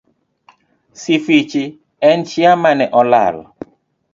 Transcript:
Sifichi en chia mane olal.